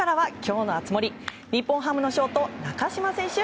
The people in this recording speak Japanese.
日本ハムのショート中島選手